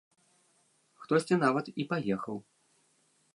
Хтосьці нават і паехаў.